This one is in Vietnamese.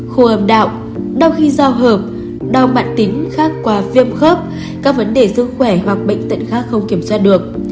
khô âm đạo đau khi do hợp đau mạng tính khác qua viêm khớp các vấn đề sức khỏe hoặc bệnh tận khác không kiểm soát được